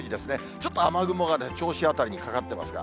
ちょっと雨雲が銚子辺りにかかっていますが。